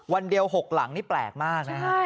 วันเดียว๖หลังนี่แปลกมากนะฮะ